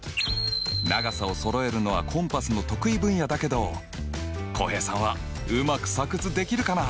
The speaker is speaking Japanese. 長さをそろえるのはコンパスの得意分野だけど浩平さんはうまく作図できるかな？